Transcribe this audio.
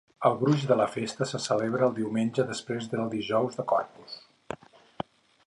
El gruix de la festa se celebra el diumenge després del dijous de Corpus.